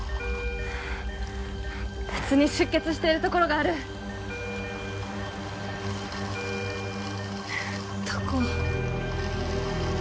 別に出血しているところがあるどこ？